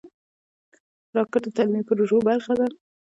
راکټ د تعلیمي پروژو برخه ده